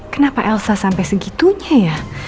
kenapa elsa sampai segitunya ya